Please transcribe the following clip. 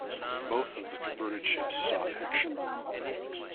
Both of the converted ships saw action.